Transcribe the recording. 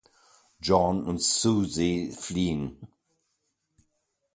John und Suzie fliehen.